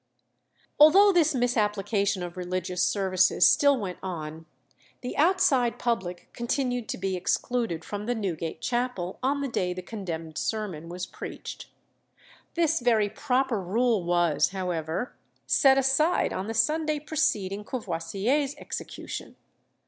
Although this misapplication of religious services still went on, the outside public continued to be excluded from the Newgate chapel on the day the condemned sermon was preached. This very proper rule was, however, set aside on the Sunday preceding Courvoisier's execution.